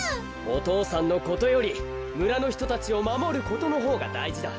お父さんのことよりむらのひとたちをまもることのほうがだいじだ。